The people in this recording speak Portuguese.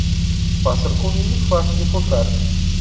Pássaro com ninho, fácil de encontrar.